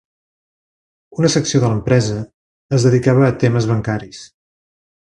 Una secció de l'empresa es dedicava a temes bancaris.